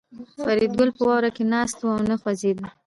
فریدګل په واوره کې ناست و او نه خوځېده